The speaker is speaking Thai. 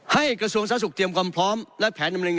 ให้กระทนสร้างสิทธิ์เตรียมความพร้อม